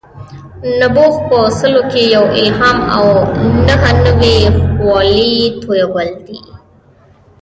نبوغ په سلو کې یو الهام او نهه نوي یې خولې تویول دي.